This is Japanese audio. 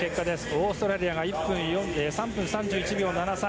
オーストラリアが３分３１秒７３。